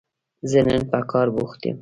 زه نن په کار بوخت يم